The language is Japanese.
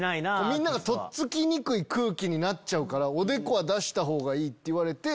みんながとっつきにくい空気になっちゃうからおでこは出したほうがいいって言われて。